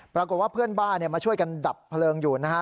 ปรากฏว่าเพื่อนบ้านมาช่วยกันดับเพลิงอยู่นะฮะ